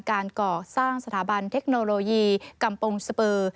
การกรอกสร้างสถาบันเทคโนโลยีกัมพงศ์สปือ